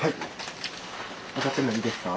上がってもいいですか？